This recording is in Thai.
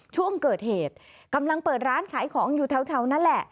ช่วงเกิดเหตุกำลังเปิดร้านขายของอยู่แถวนั่นแหละ